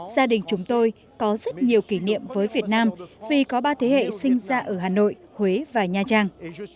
gia đình chúng tôi có rất nhiều kỷ niệm với việt nam vì có ba thế hệ sinh ra ở hà nội huế và nha trang